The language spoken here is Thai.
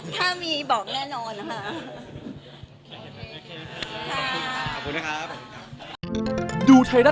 ถ้ามีบอกแน่นอนนะคะ